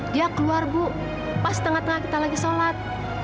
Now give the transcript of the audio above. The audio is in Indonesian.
dia keluar bu pas tengah tengah kita lagi sholat